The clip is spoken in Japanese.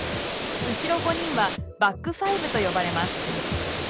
後ろ５人はバックファイブと呼ばれます。